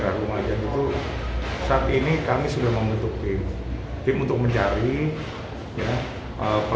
aku ingin melakukan apa apa